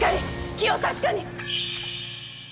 気を確かに！